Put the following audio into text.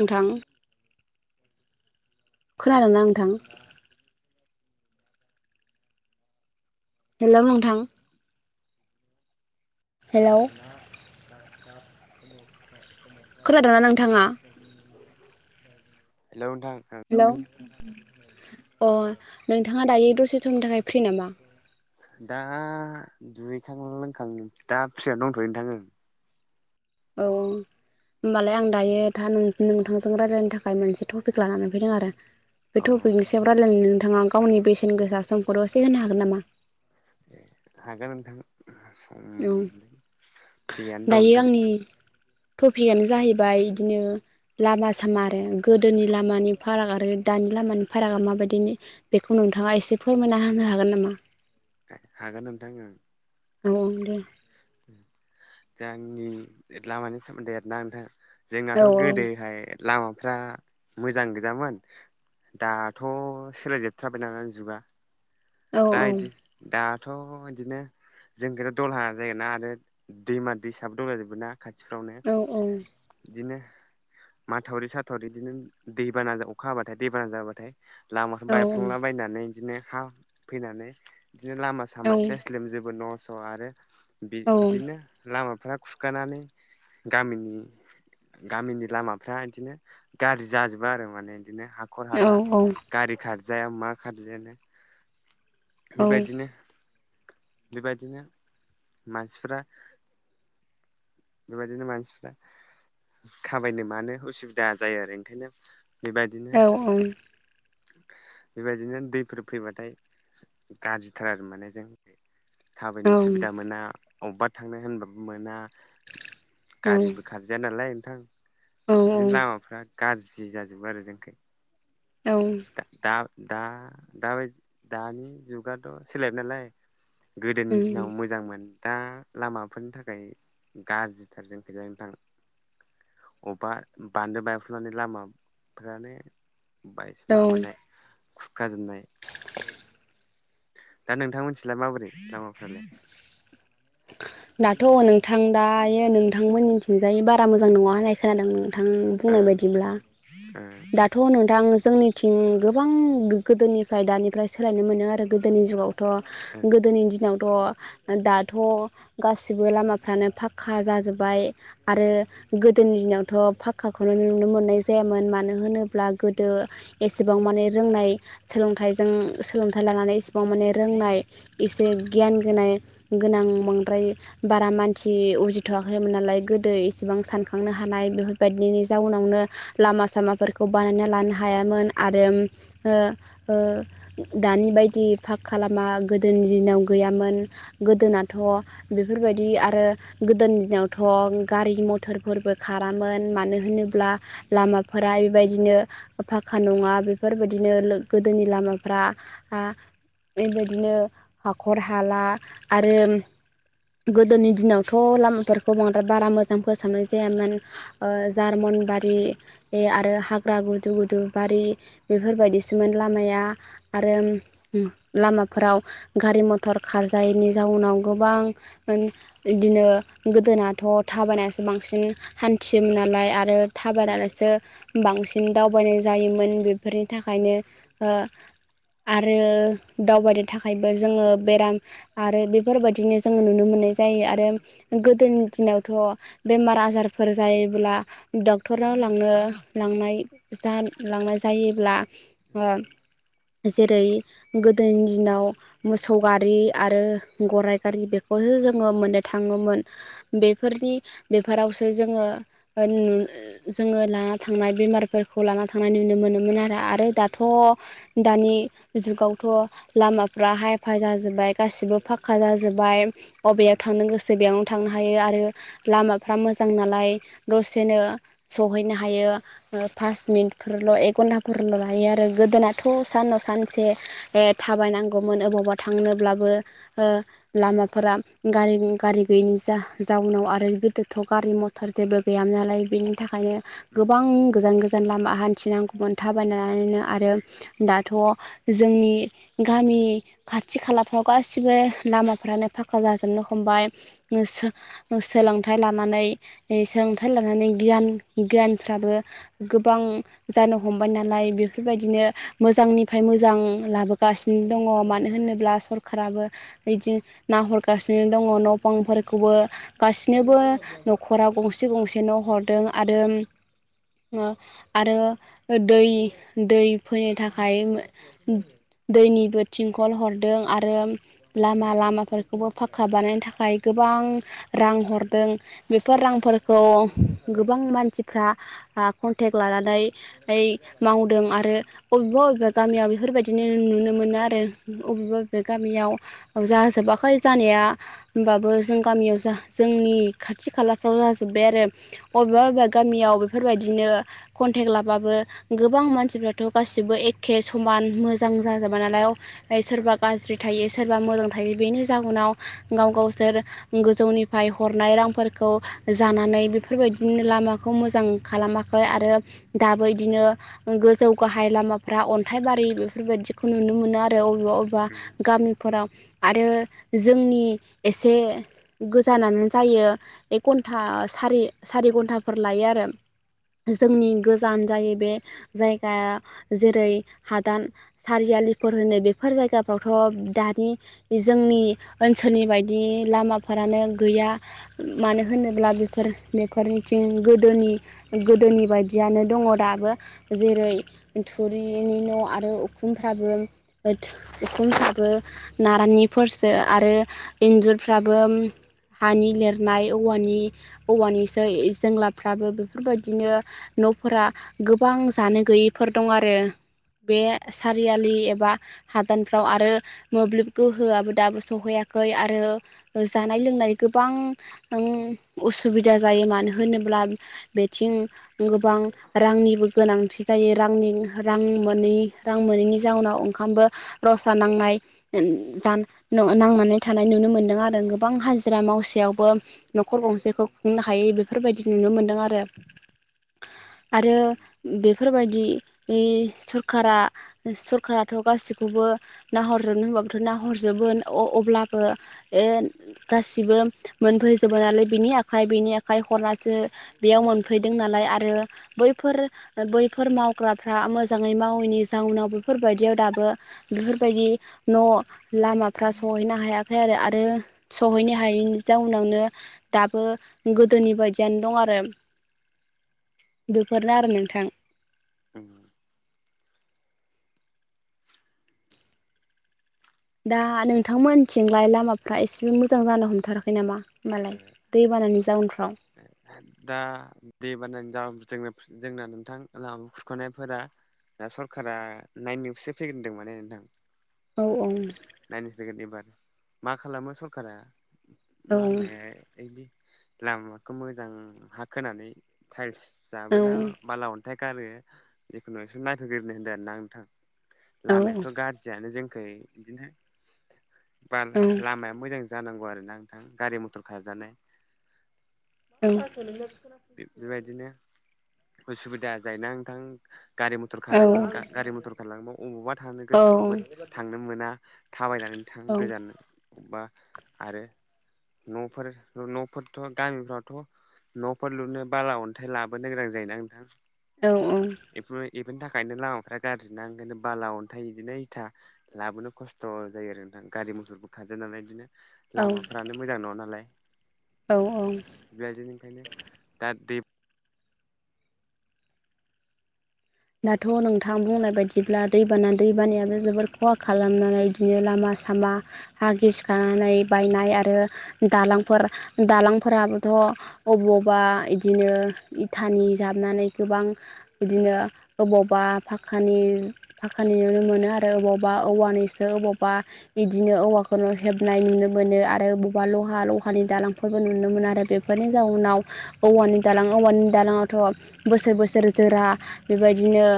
नोंथां खोनादों ना नोंथां? हेलौ नोंथां हेलौ खोनादोंना नोंथाङा? हेलौ नोंथां हेलौ अ नोंथाङा दायो दसे समनि थाखाय फ्रि नामा? दा दुगैखां लोंखां दा फ्रिआनो दंथ'यो नोंथां ओं औ होमबालाय आं दायो दा नोंथांजों रायज्लायनो थाखाय मोनसे टपिक लानानै फैदों आरो। बे ओं टपिकनि अ सायाव रायलायनो नोंथाङा गावनि बेसेन गोसा समखौ दसे होनो हागोन नामा? ए हागोन नोंथां औ सम फ्रियानो दं दायो नोंथां। आंनि टपिकआनो जाहैबाय बिदिनो लामा सामा आरो गोदोनि लामानि फाराग आरो दानि लामानि फारागा माबायदिनि बेखौ नोंथाङा एसे फोरमायना होनो हागोन नामा? हागोन नोंथां ओं औ औ दे गामिनि लामानि सोमोन्दै आरोना नोंथां औ जोंनाथ' औ गोदोहाय लामाफ्रा मोजां गोजामोन दाथ' सोलायजोबथारबाय नालाय जुगा दा इदि दाथ' दाथ' बिदिनो जोंनिखैथ' दलहा जायोना आरो दैमा दैसाबो दंजाजोबो ना खाथिफ्रावनो बिदिनो माथावरि साथावरि बिदिनो दैबाना अखा हाबाथाय दैबाना जाबाथाय लामाफोर बायफ्लंलाबायायनानै बिदिनो हा फैनानै बिदिनो लामा सामा सेस जेबो न' स' आरो बिदिनो लामाफ्रा खुरखानानै गामिनि गामिनि लामाफ्रा इदिनो गाज्रि जाजोबो आरो माने बिदिनो हा हखर हाला गारि खारजाया मा खारजायानो बेबायदिनो बेबायदिनो मानसिफ्रा बेबायदिनो मानसिफ्रा खामायनो मानो उसुबिदा जायो आरो ओंखायनो बेबायदिनो बेबायदिनो दैफोर फैबाथाय गाज्रिथार आरो माने जोंनिथिं थाबायनो सुबिदा मोना अबबा थांनो होनबाबो मोना गारिबो खार जाया नालाय नोंथां बिदिनो लामाफ्रा गाज्रि जाजोबो आरो जोंखै औ दा दा दाबाय दानि जुगाथ' सोलायबाय नालाय गोदोनि दिनाव मोजांमोन दा लामाफोरनि थाखाय गाज्रिथार जोंखैजाय नोंथां अबेबा बान्दो बायफ्रुनानै लामाफ्रानो बायस माबानाय खुरखाजोबनाय दा नोंथां मोनथिंलाय माबोरै लामाफ्रालाय? [inaudible] दाथ' नोंथां दायो नोंथांमोननिथिंजायै बारा मोजां नङा होननाय खोनादों नोंथां। बुंनाय बायदिब्ला। ओ। दाथ' नोंथां जोंनि थिं गोबां गोदोनिफ्राय दानिफ्राय सोलायनो मोनो आरो गोदोनि जुगाव। ओं गोदोनि दिनाव दाथ गासिबो लामाफ्रानो फाखक्का जाजोबबाय। आरो ओं गोदोनि दिनावथ' फाखक्काखौनो नुनो मोननाय जायामोन। मानो होनोब्ला गोदो एसेबां माने रोंनाय सोलोंथाइजों सोलोंथाइ लानानै माने रोंनाय एसे गियान होनाय गोनां बांद्राय बारा मानसि उजिथ'वाखैमोन नालाय। गोदो बेसेबां सानखांनो हानाय बेफोरबायदिनि जाउनावनो लामा सामाफोरखौ खौ बानायना लानो हायामोन। आरो दानि बायदि पाखक्का लामा गोदोनि दिनाव गैयामोन। गोदोनाथ' बेफोरबायदि आरो गोदोनि दिनावथ' गारि मथरफोरबो खारामोन। मानो मानो होनोब्ला लामाफोरा बेबायदि बिदिनो फाखक्का नङा बेफोरबायदिनो गोदोनि लामाफ्रा बेबायदिनो हाखर हाला आरो गोदोनि दिनावथ' लामा फोरखौ बांद्राय बारा मोजां फोसाबनाय जायामोन। जारमन बारि आरो हाग्रा गुदु गुदु बारि बेफोरबायदिसोमोन लामाया। आरो लामाफोराव गारि मथर खारजायैनि जाउनाव गोबां बिदिनो गोदोनाथ' थाबायनासो बांसिन हान्थियोमोन नालाय आरो थाबायनानैसो बांसिन सिन दावबायनाय जायोमोन बेफोरनि थाखायनो आरो दावबायनो थाखायबो जोङो बेराम आरो बेफोरबायदिनो जोङो नुनो मोननाय जायो। आरो गोदोनि दिनावथ' बेमार आजारफोर जायोब्ला डक्टराव लांनो लांनाय लांनाय जायोब्ला ओं ओ जेरै गोदोनि दिनाव मोसौ गारि आरो गराइ गारि बेखौसो जोङो मोननो थाङोमोन। बेफोरनि बेफोरावसो जोङो जोङो लाना थांनाय बेमारफोर खौ लाना थांनाय नुनो मोनोमोन आरो। आरो दाथ' दानि जुगावथ' लामाफ्रा हायफा जाजोब्बाय गासिबो फाखक्का जाजोब्बाय। अबेयाव ओं थांनो गोसो बेयाव थांनो हायो आरो लामाफ्रा मोजां नालाय दसेनो सहैनो हायो। फास मिनिटफोरल' एक घन्टाफोरल' लायो आरो गोदोनाथ' साननाव सानसे। बे थाबायनांगौमोन अबावबा थांनोब्लाबो लामाफोरा गारि गारि गैयिनि जा जाउनाव आरो गोदोथ' गारि म- टर जेबो गैयामोन नालाय बेनि थाखायनो गोबां गोजान गो - जान लामा हान्थिनांगौमोन थाबायनानैनो आरो दाथ' जोंनि गामि खाथि खालाफ्राव गासिबो लामाफ्रानो फाखा जाजोबनो हमबाय। सोलोंथाइ लानानै सोलोंथाइ लानानै गियान गियानफ्राबो गोबां जानो हमबाय नालाय बेफोरबायदिनो मोजांनिफ्राय मोजां लाबोगासिनो दङ। मानो होनोब्ला सरखाराबो बिदि नाहरगासिनो दङ न' बांफोरखौबो। गासिनोबो न'खराव गंसे गंसे न' हरदों। आरो आरो दै दै फैनो थाखाय दैनिबो थिंखल हरदों आरो लामा लामाफोरखौबो फाक्का बानायनो थाखाय गोबां रां हरदों बेफोर रांफोरखौ गोबां मानसिफ्रा कन्टेक्ट लानानै ओइ मावदों आरो बबेबा बबेबा गामियाव बेफोरबायदिनो नुनो मोनो आरो बबेबा बबेबा गामियाव जाजोबाखै जानाया होमबाबो जों गामियाव जा जोंनि खाथि खालाफ्राव जाजोब्बाय आरो अबेबा अबेबा गामियाव बेफोरबायदिनो कन्टेक्ट लाबाबो गोबां मानसिफ्राथ' गासिबो एखे समान मोजां जाजोबाय नालाय ओं सोरबा गाज्रि थायो सोरबा मोजां थायो बेनि जाहोनाव गाव गावसोर गोजौनिफ्राय हरनाय रांफोरखौ जानानै बेफोरबायदिनो लामाखौ मोजां खालामाखै आरो दाबो इदिनो गोजौ गाहाय लामाफ्रा अन्थाइबारि बेफोरबायदिखौ नुनो मोनो आरो अबेबा अबे बा ओं गामिफोराव आरो जोंनि एसे गोजानानो जायो एक घन्टा सारि सारि घन्टाफोर लायो आरो जोंनि गोजान जायो बे जायगाया जेरै हादान सारियालिफोर होनो बेफोर जायगाफ्रावथ' दानि जोंनि ओनसोलनि बायदि लामाफोरानो गैया मानो होनोब्ला बेफोर बेफोरनिथिं गोदोनि गोदोनि बायदियानो दङ दाबो जेरै थुरिनि न' आरो उखुमफ्राबो उखमफ्राबो नारनिफोरसो आरो इन्जुरफ्राबो हानि लिरनाय औवानि औवानिसो जेंलाफ्राबो बेफोरबायदिनो न'फोरा गोबां जानो गैयैफोर दं आरो बे सारियालि एबा हादानफ्राव आरो मोब्लिब गोहोआबो दाबो सहैयाखै आरो जानाय लोंनाय गोबां असुबिदा जायो मानो होनोब्ला बेथिं गोबां रांनिबो गोनांथि जायो रांनि रां मोनै रां मोनैनि जाउनाव ओंखामबो रसा नांनाय दां नांनानै थानाय नुनो मोनदों आरो गोबां हाजिरा मावसेयावबो नखर गंसेखौ खुंनो हायि बेफोरबायदि नुनो मोन्दों आरो आरो बेफोरबायदि इ सरकारा सरखाराथ' गासैखौबो नाहरजोबनो होबाबोथ' नाहर जोबो अब्लाबो [unintelligible] गासिबो मोनफैजोबो नालाय बिनि आखाइ बिनि आखाइ हरनासो बेयाव मोन फैदों नालाय आरो बैफोर बैफोर मावग्राफ्रा मोजाङै मावैनि जाउनाव बेैफोरबायदियाव दाबो बेफोरबायदि न' लामाफ्रा सहैनो हायाखै आरो आरो सहैनो हायै जाउनावनो दाबो गोदोनि बायदियानो दं आरो बेफोरनो आरो नोंथां उम दा नोंथांमोनथिंलाय लामाफ्रा एसेबो मोजां जानो हमथाराखै नामा होमबालाय दै बानानि जाउनफ्राव [unintelligible] दा दै बानानि [unintelligible] जोंना नोंथां लामा खुरख'नायफोरा दा सरकारा [unintelligible] फैग्रोदों माने नोंथां औ औ नायसै [unintelligible] एबार मा खालामो सरकारा औ मा होनो इदि लामाखौ मोजां हा खोनानै टाइल्स जाबोना औ बाला अन थाइ गारो जिखुनु एसे नायथ'ग्रोनो होनदों आरो ना नोंथां लामायाथ' औ गाज्रियानो जोंखै बिदिनो बाला लामा मोजां जानांगौ आरो ना नोंथां गारि मथर खारजानाय [unintelligible] बेबायदिनो उसुबिदा जायोना नोंथां गारि मथर खाराबा गारि मथर खारलाङोबा अबावबा थांनो गोसोबाबो थांनो मोना थाबायनानै थां गोजाननो बा आरो न'फोर न'फोरथ' गामिफ्रावथ' फोर लुनो बाला अन्थाइ लाबोनो गोनां जायोना नोंथां औ औ इफोर इफोरनि थाखायनो लामाफ्रा गाज्रि ना ओंखायनो बाला अन्थाय बिदिनो इथा लाबोनो खस्थ' जायो आरो नोंथां गारि मथरबो खारजाया नालाय इदिनो औ लामाफ्रानो मोजां नङा नालाय औ औ बेबायदिनो ओंखायनो दा [unintelligible] दाथ' नोंथां बुंनाय बायदिब्ला दैबाना दैबानायाबो जोबोद खहा खालामनानै इदिनो लामा सामा हा गिसिखानानै बायनाय आरो दालांफोर दालांफोराबोथ' अबावबा इदिनो इथानि जाबनानै गोबां बिदिनो अबावबा फाखानि फाखानि नुनो मोनो आरो अबावबा औवानिसो अबावबा बिदिनो औवाखौनो हेबनाय नुनो मोनो आरो अबावबा लहा लहानि दालां फोरबो नुनो मोनो आरो बेफोरनि जाउनाव औवानि दालां औवानि दालाङावथ' बोसोर बोसोर जोरा बेबायदिनो